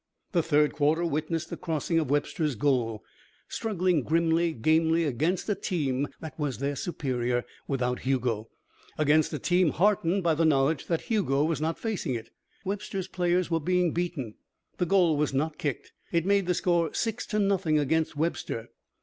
The third quarter witnessed the crossing of Webster's goal. Struggling grimly, gamely, against a team that was their superior without Hugo, against a team heartened by the knowledge that Hugo was not facing it, Webster's players were being beaten. The goal was not kicked. It made the score six to nothing against Webster.